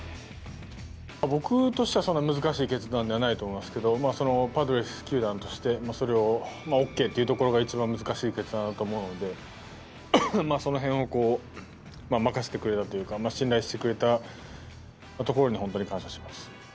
僕としてはそんなに難しい決断じゃないと思いますけどパドレス球団としてＯＫというところが一番難しい決断だと思うのでその辺を任せてくれたというか信頼してくれたところに本当に感謝します。